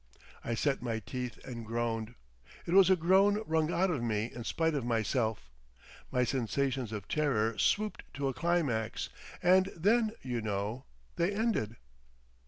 I set my teeth and groaned. It was a groan wrung out of me in spite of myself. My sensations of terror swooped to a climax. And then, you know, they ended!